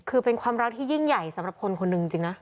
คือเป็นความรักที่ยิ่งใหญ่สำหรับคนคนหนึ่งจริงนะ